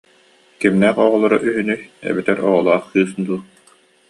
Кимнээх оҕолоро үһүнүй эбэтэр оҕолоох кыыс үһү дуу